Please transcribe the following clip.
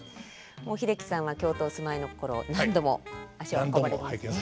もう英樹さんは京都お住まいの頃何度も足を運ばれてますね。